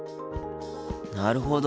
なるほど。